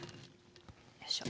よいしょ。